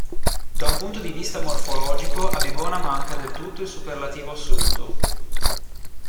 Da un punto di vista morfologico, a Bivona manca del tutto il superlativo assoluto.